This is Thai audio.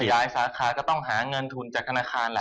อ๋อถ้าขยายศาสตร์ค้าก็ต้องหาเงินทุนจากธนาคารแหละ